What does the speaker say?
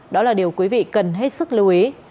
đó là điều quý vị cần hết sức lưu ý